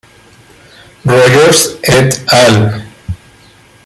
Rogers "et al.